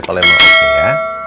kalau yang mau kasih ya